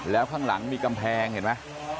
แล้วข้างหลังมีกำแพงเห็นไหม